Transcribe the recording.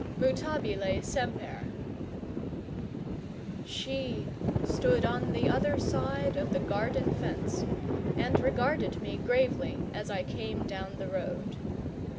MUTABILE SEMPER She stood on the other side of the garden fence, and regarded me gravely as I came down the road.